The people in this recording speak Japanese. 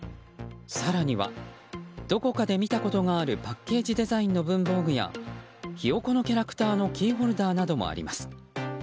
更には、どこかで見たことがあるパッケージデザインの文房具やヒヨコのキャラクターのキーホルダーなどもあります。